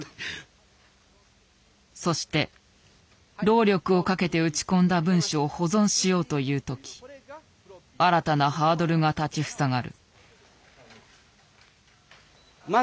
そして労力をかけて打ち込んだ文書を保存しようという時新たなハードルが立ち塞がる。